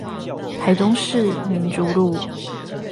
台中市民族路